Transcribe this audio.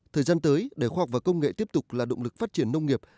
thời gian tới để khoa học và công nghệ tiếp tục là động lực phát triển nông nghiệp